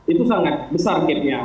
itu sangat besar kip nya